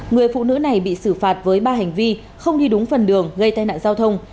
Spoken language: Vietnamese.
người phụ nữ này bị xử phạt với ba hành vi không đi đúng phần đường gây tai nạn giao thông